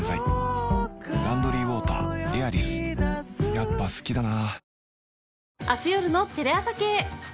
やっぱ好きだな